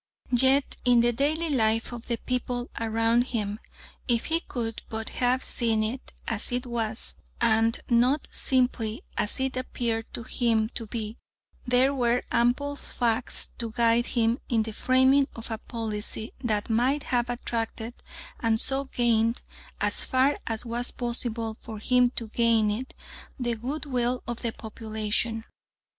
Yet in the daily life of the people around him, if he could but have seen it as it was, and not simply as it appeared to him to be, there were ample facts to guide him in the framing of a policy that might have attracted and so gained, as far as was possible for him to gain it, the goodwill of the population.